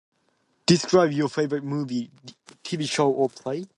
Describe your favorite movie, T- TV show or play.